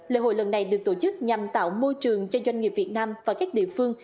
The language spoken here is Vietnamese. lễ hội lần này được tổ chức nhằm tạo môi trường cho doanh nghiệp việt nam và các địa phương